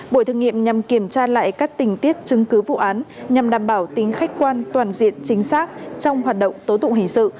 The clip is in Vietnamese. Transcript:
buổi thử nghiệm nhằm kiểm tra lại các tình tiết chứng cứ vụ án nhằm đảm bảo tính khách quan toàn diện chính xác trong hoạt động tố tụng hình sự